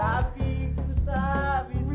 ya tapi kan kita sedang